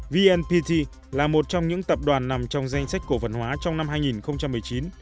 vnpt là một trong những tập đoàn nằm trong danh sách cổ phần hóa trong năm hai nghìn một mươi chín